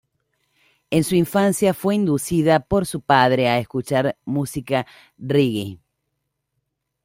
En su infancia fue inducida por su padre a escuchar música "reggae".